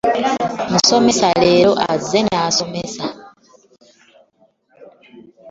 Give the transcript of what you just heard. Omusomesa leero azze n'asomesa.